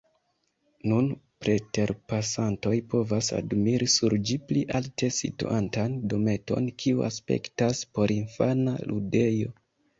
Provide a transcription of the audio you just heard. Nun preterpasantoj povas admiri sur ĝi pli alte situantan dometon, kiu aspektas porinfana ludejo.